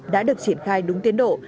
đã được triển khai đúng tiến độ